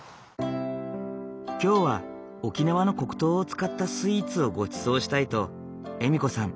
今日は沖縄の黒糖を使ったスイーツをごちそうしたいと笑子さん